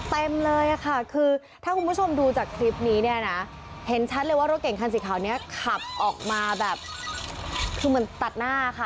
เต็มเลยค่ะคือถ้าคุณผู้ชมดูจากคลิปนี้เนี่ยนะเห็นชัดเลยว่ารถเก่งคันสีขาวนี้ขับออกมาแบบคือเหมือนตัดหน้าค่ะ